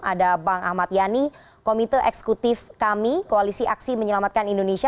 ada bang ahmad yani komite eksekutif kami koalisi aksi menyelamatkan indonesia